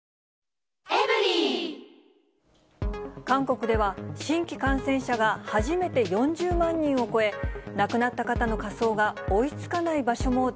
韓国では、新規感染者が初めて４０万人を超え、亡くなった方の火葬が追いつ